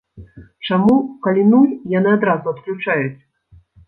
Чаму, калі нуль, яны адразу адключаюць?